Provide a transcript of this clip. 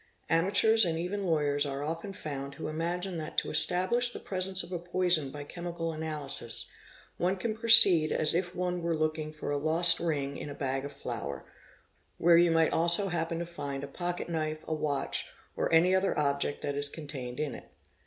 Amateurs and even lawyers are often — found who imagine that to establish the presence of a poison by chemical analysis one can proceed as if one were looking for a lost ring in a bag of — flour, where you might also happen to find a pocket knife, a watch, or any other object that is contained in it.